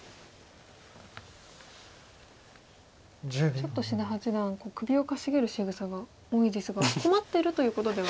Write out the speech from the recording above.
ちょっと志田八段首をかしげるしぐさが多いですが困ってるということでは。